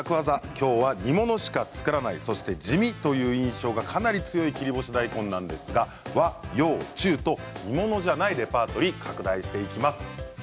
今日は煮物しか作らない地味という印象がかなり強い切り干し大根なんですが和洋中と煮物じゃないレパートリーに拡大していきます。